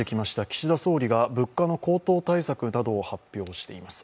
岸田総理が物価の高騰対策などを発表しています。